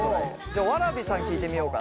じゃあわらびさん聞いてみようかな。